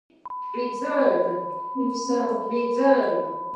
In the same period he founded the Political Crimes Service.